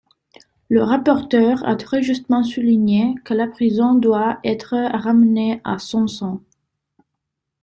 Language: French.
Le rapporteur a très justement souligné que la prison doit être ramenée à son sens.